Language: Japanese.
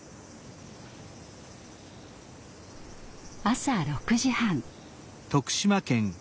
朝６時半。